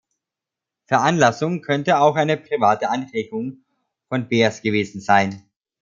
Veranlassung könnte auch eine private Anregung von Behrs gewesen sein.